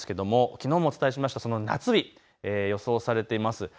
きのうもお伝えしましたが夏日、予想されています。